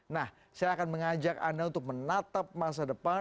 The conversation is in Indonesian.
nah saya akan mengajak anda untuk menatap masa depan